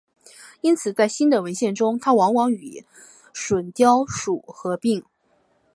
因此在新的文献中它往往与隼雕属合并。